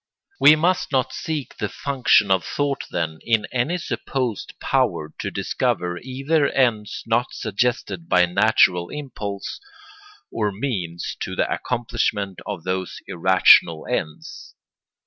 We must not seek the function of thought, then, in any supposed power to discover either ends not suggested by natural impulse or means to the accomplishment of those irrational ends.